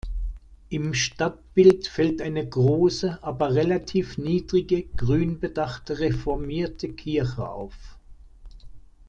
Im Stadtbild fällt eine große, aber relativ niedrige, grün-bedachte reformierte Kirche auf.